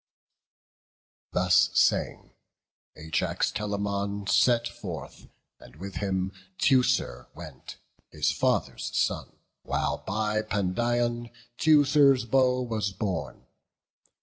Thus saying, Ajax Telamon set forth, And with him Teucer went, his father's son, While by Pandion Teucer's bow was borne.